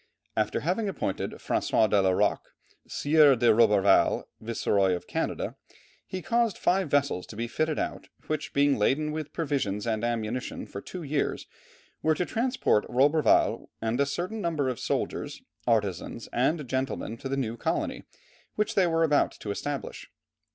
After having appointed François de la Roque, Sieur de Roberval, viceroy of Canada, he caused five vessels to be fitted out, which being laden with provisions and ammunition for two years, were to transport Roberval and a certain number of soldiers, artizans, and gentlemen to the new colony, which they were about to establish.